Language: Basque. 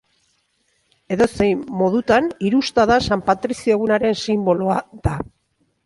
Edozein modutan, hirusta da San Patrizio Egunaren sinboloa da.